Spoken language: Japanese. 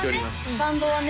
バンドはね